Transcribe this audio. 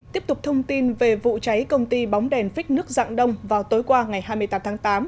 tiếp tục thông tin về vụ cháy công ty bóng đèn phích nước dạng đông vào tối qua ngày hai mươi tám tháng tám